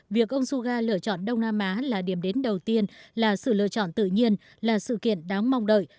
việc ông suga lựa chọn đông nam á là điểm đến đầu tiên là sự lựa chọn tự nhiên là sự kiện đáng mong đợi